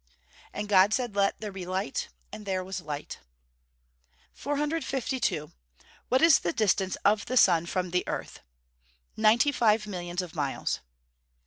[Verse: "And God said, Let there be light: and there was light."] 452. What is the distance of the sun from the earth? Ninety five millions of miles.